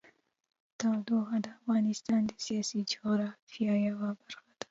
تودوخه د افغانستان د سیاسي جغرافیه یوه برخه ده.